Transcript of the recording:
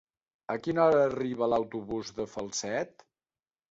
A quina hora arriba l'autobús de Falset?